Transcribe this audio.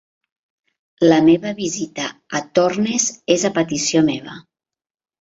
La meva visita a Torness és a petició meva.